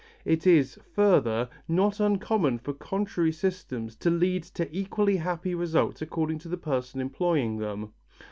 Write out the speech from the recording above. It is, further, not uncommon for contrary systems to lead to equally happy results according to the person employing them.